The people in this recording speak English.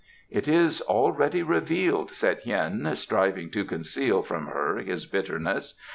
"It is already revealed," said Hien, striving to conceal from her his bitterness.